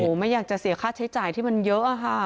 ไม่อยากจะเสียค่าใช้จ่ายที่มันเยอะอะค่ะ